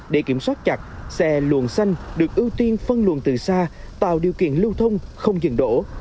để kiểm soát chặt xe luồng xanh được ưu tiên phân luận từ xa tạo điều kiện lưu thông không dừng đổ